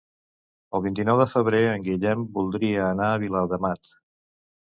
El vint-i-nou de febrer en Guillem voldria anar a Viladamat.